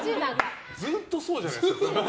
ずっとそうじゃないですか。